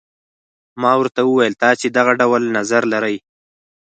ما ورته وویل تاسي دغه ډول نظر لرئ.